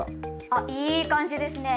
あいい感じですね。